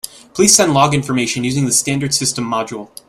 Please send log information using the standard system module.